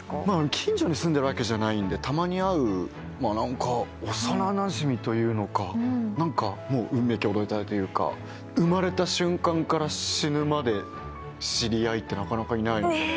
近所に住んでるわけじゃないんでたまに会う何か幼なじみというのかもう運命共同体というか生まれた瞬間から死ぬまで知り合いってなかなかいないですよね